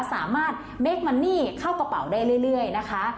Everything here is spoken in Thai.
สามารถเบคมันนี่เข้ากระเป๋าได้เรื่อยนะคะ